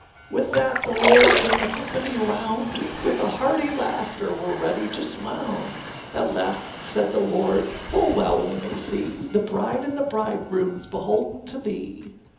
â With that the lords and the company round With a hearty laughter were ready to swound; At last said the lords, âFull well we may see, The bride and the bridegroomâs beholden to thee.